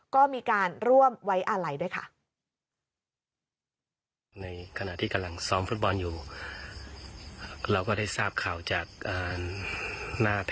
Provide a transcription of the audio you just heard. ก็มีการร่วมไว้อาลัยด้วยค่ะ